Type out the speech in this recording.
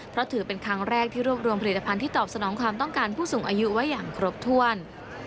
เพราะถือเป็นครั้งแรกที่รวบรวมผลิตภัณฑ์ที่ตอบสนองความต้องการผู้สูงอายุไว้อย่างครบถ้วน